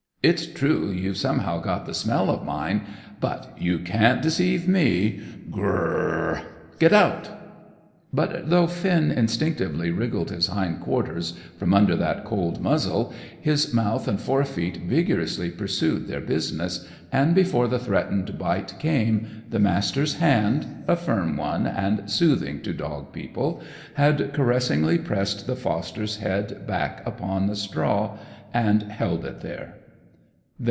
It's true you've somehow got the smell of mine; but you can't deceive me. Gr r r ! Get out!" But, though Finn instinctively wriggled his hind quarters from under that cold muzzle, his mouth and fore feet vigorously pursued their business; and, before the threatened bite came, the Master's hand (a firm one, and soothing to dog people) had caressingly pressed the foster's head back upon the straw, and held it there.